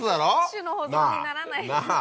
種の保存にならないですね。